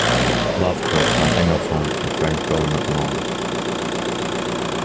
Lovecraft war ein enger Freund von Frank Belknap Long.